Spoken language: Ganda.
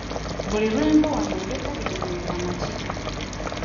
Buli lwe nva wano ndeka buli muntu amatidde.